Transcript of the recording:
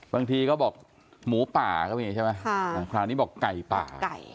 เขาบอกหมูป่าก็มีใช่ไหมคราวนี้บอกไก่ป่าไก่